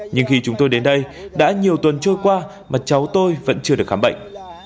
nhưng khi chúng tôi đến đây đã nhiều tuần trôi qua mà cháu tôi vẫn chưa được khám bệnh